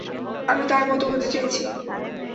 আমি তার মতো হতে চেয়েছি!